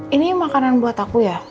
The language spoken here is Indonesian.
ini makanan buat aku ya